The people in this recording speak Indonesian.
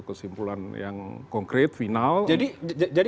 kesimpulan yang konkret final